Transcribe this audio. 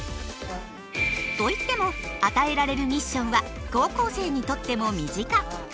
といっても与えられるミッションは高校生にとっても身近。